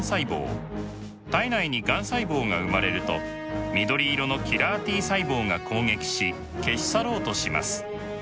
体内にがん細胞が生まれると緑色のキラーＴ細胞が攻撃し消し去ろうとします。